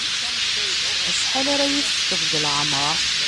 Acḥal ara iyi-tefkeḍ deg leɛmeṛ?